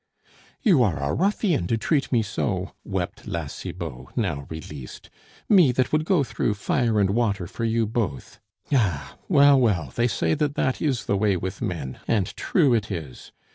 "You are a ruffian to treat me so," wept La Cibot, now released, "me that would go through fire and water for you both! Ah! well, well, they say that that is the way with men and true it is!